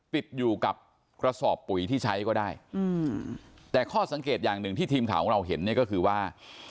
ติดอยู่กับกระสอบปุ๋ยที่ใช้ก็ได้อืมแต่ข้อสังเกตอย่างหนึ่งที่ทีมข่าวของเราเห็นเนี่ยก็คือว่า